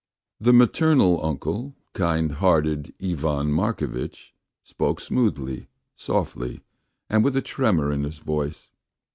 The maternal uncle, kind hearted Ivan Markovitch, spoke smoothly, softly, and with a tremor in his voice.